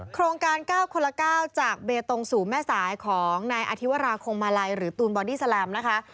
โครงการ๙คนละ๙จากเบตงสู่แม่สายของนายอธิวราคงมาลัยหรือตูนบอดี้แลมนะคะ